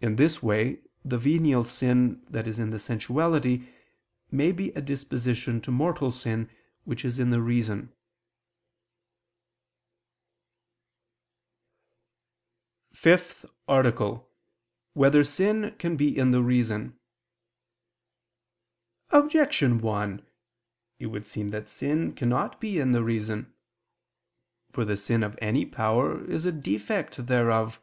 In this way the venial sin that is in the sensuality, may be a disposition to mortal sin, which is in the reason. ________________________ FIFTH ARTICLE [I II, Q. 74, Art. 5] Whether Sin Can Be in the Reason? Objection 1: It would seem that sin cannot be in the reason. For the sin of any power is a defect thereof.